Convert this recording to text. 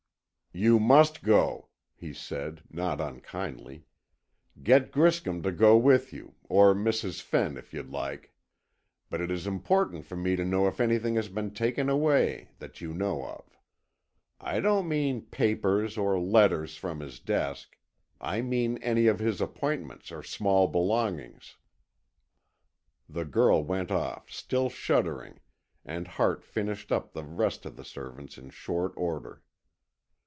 "You must go," he said, not unkindly. "Get Griscom to go with you, or Mrs. Fenn, if you like. But it is important for me to know if anything has been taken away that you know of. I don't mean papers or letters from his desk. I mean any of his appointments or small belongings." The girl went off, still shuddering, and Hart finished up the rest of the servants in short order.